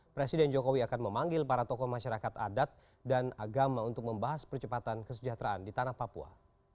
presiden jokowi akan memanggil para tokoh masyarakat adat dan agama untuk membahas percepatan kesejahteraan di tanah papua